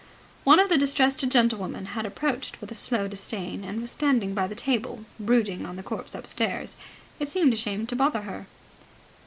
One of the distressed gentlewomen had approached with a slow disdain, and was standing by the table, brooding on the corpse upstairs. It seemed a shame to bother her.